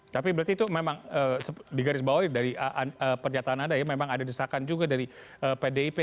tapi berarti itu memang digarisbawahi dari pernyataan anda ya memang ada desakan juga dari pdip